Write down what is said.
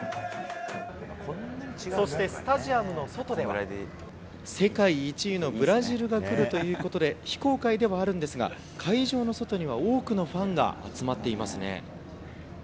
そして、世界１位のブラジルが来るということで、非公開ではあるんですが、会場の外には多くのファンが集まっていますね。